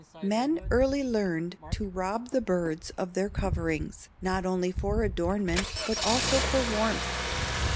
Man early learned to rob the birds of their coverings, not only for adornment, but also for warmth.